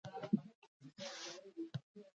سپوږمۍ تل د فلک پوهانو لپاره جالبه وه